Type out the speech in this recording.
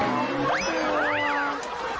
สองตัวครึ่ง